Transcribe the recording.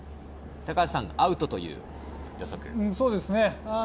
高橋さん、アウトという予測。